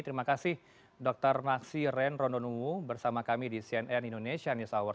terima kasih dr maksi ren rondonuwu bersama kami di cnn indonesia news hour